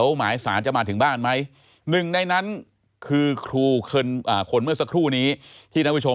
ยาท่าน้ำขาวไทยนครเพราะทุกการเดินทางของคุณจะมีแต่รอยยิ้ม